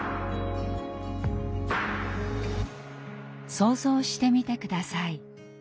想像してみて下さい。